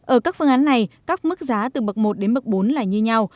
ở các phương án này các mức giá từ bậc một đến bậc bốn là như nhau